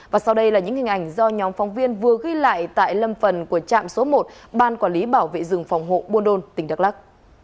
và sau đây là những hình ảnh do nhóm phóng viên vừa ghi lại tại lâm phần của trạm số một ban quản lý bảo vệ rừng phòng hộ buôn đôn tỉnh đắk lắc